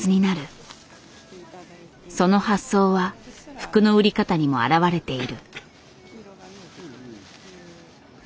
その発想は服の売り方にも表れている。